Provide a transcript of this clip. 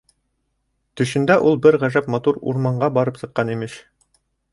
Төшөндә ул бер ғәжәп матур урманға барып сыҡҡан, имеш.